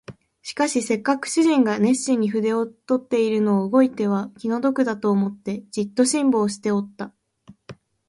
しかしせっかく主人が熱心に筆を執っているのを動いては気の毒だと思って、じっと辛抱しておった